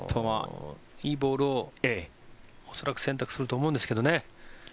いいボールを恐らく選択すると思うんですけどね。